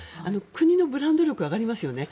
国のブランド力が上がりますよね。